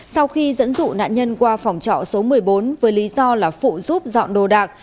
sau khi dẫn dụ nạn nhân qua phòng trọ số một mươi bốn với lý do là phụ giúp dọn đồ đạc